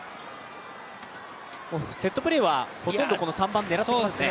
セットプレーはほとんど３番、狙ってきますね。